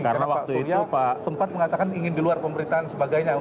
karena pak surya sempat mengatakan ingin di luar pemerintahan dan sebagainya